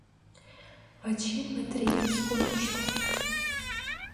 Вачи Метриэт скотышто...